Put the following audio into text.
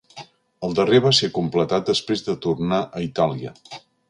El darrer va ser completat després de tornar a Itàlia.